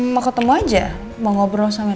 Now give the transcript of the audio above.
mau ketemu aja mau ngobrol sama